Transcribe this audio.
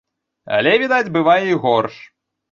Але, відаць, бывае і горш.